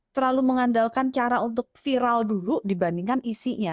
terlalu mengandalkan cara untuk viral dulu dibandingkan isinya